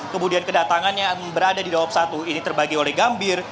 kemudian kedatangannya berada di dawab satu ini terbagi oleh gambir